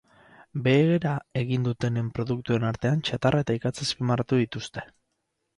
Behera egin dutenen produktuen artean txatarra eta ikatza azpimarratu dituzte.